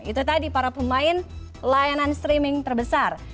itu tadi para pemain layanan streaming terbesar